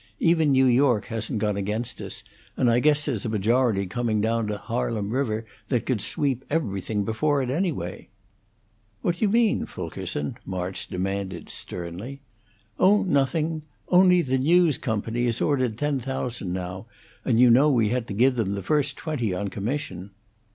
Even New York hasn't gone against us, and I guess there's a majority coming down to Harlem River that could sweep everything before it, anyway." "What do you mean, Fulkerson?" March demanded, sternly. "Oh, nothing! Only, the 'News Company' has ordered ten thousand now; and you know we had to give them the first twenty on commission."